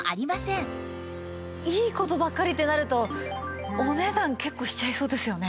いい事ばっかりってなるとお値段結構しちゃいそうですよね。